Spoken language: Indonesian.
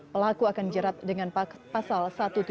pelaku akan jerat dengan pasal satu ratus tujuh puluh